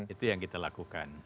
itu yang kita lakukan